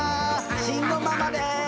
慎吾ママです！